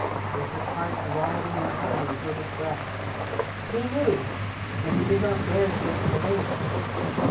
With his heart rioting madly through his breast, he knew, but he did not dare to look at Elaine.